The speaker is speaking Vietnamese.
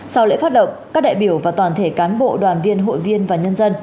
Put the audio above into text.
sau lễ phát động các đại biểu và toàn thể cán bộ đoàn viên hội viên và nhân dân